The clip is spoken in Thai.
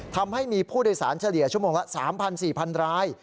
ทำให้มีผู้โดยสารเฉลี่ยชั่วโมงละ๓๔๐๐ราย